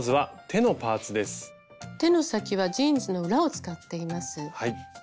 手の先はジーンズの裏を使っています。